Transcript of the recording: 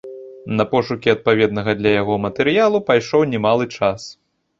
На пошукі адпаведнага для яго матэрыялу пайшоў немалы час.